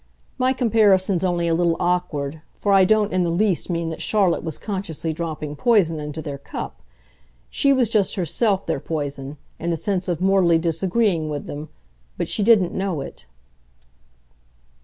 My comparison's only a little awkward, for I don't in the least mean that Charlotte was consciously dropping poison into their cup. She was just herself their poison, in the sense of mortally disagreeing with them but she didn't know it."